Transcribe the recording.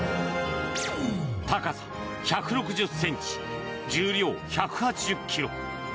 高さ１６０ｃｍ重量１８０ｋｇ。